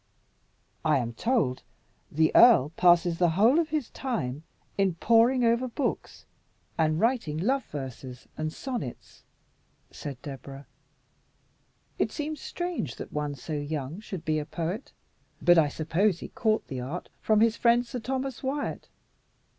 "I am told the earl passes the whole of his time in poring over books and writing love verses and sonnets," said Deborah. "It seems strange that one so young should be a poet; but I suppose he caught the art from his friend Sir Thomas Wyat."